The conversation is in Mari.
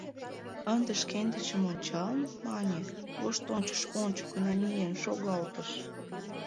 — Ынде шкендычым ончал, — мане, воштончыш ончыко намиен шогалтыш.